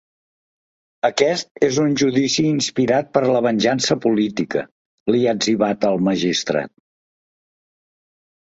Aquest és un judici inspirat per la venjança política, li ha etzibat al magistrat.